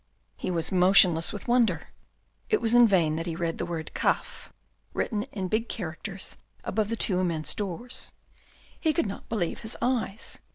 He was motionless with wonder ; it was in vain that he read the word caf, written in big characters above the two immense doors. He could not believe his eyes.